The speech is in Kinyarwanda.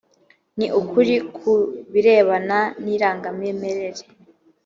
ni ukuri ku birebana nirangamimerere.